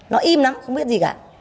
nó im lắm không biết gì cả